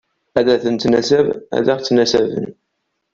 Ad tennettnasab, ad ɣ-ttnasaben.